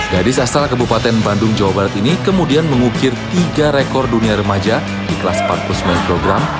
gadis asal kebupaten bandung jawa barat ini kemudian mengukir tiga rekor dunia remaja di kelas empat puluh sembilan kg